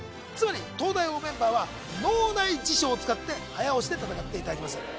つまり東大王メンバーは脳内辞書を使って早押しで戦っていただきます